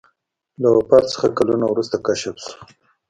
له وفات څخه کلونه وروسته کشف شو.